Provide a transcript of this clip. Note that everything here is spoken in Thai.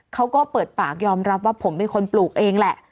เขาก็เปิดปากยอมรับว่าผมเป็นคนปลูกเองแหละ